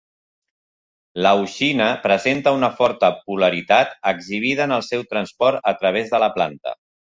L'auxina presenta una forta polaritat exhibida en el seu transport a través de la planta.